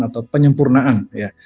atau penyempurnaan ya